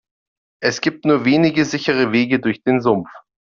Es gibt nur wenige sichere Wege durch den Sumpf.